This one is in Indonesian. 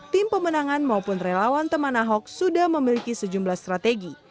tim pemenangan maupun relawan teman ahok sudah memiliki sejumlah strategi